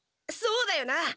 そうだよな。